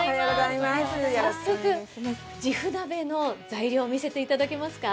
早速、じふ鍋の材料見せていただけますか。